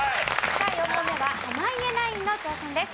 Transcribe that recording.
さあ４問目は濱家ナインの挑戦です。